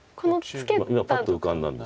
今パッと浮かんだんですけど。